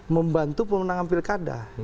membantu pemenang pilkada